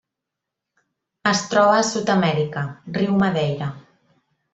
Es troba a Sud-amèrica: riu Madeira.